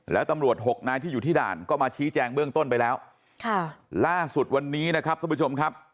แล้วตำรวจหกนายที่อยู่ที่ด่านก็มาชี้แจงเบื้องต้นไปแล้วค่ะล่าสุดวันนี้นะครับทุกผู้ชมครับ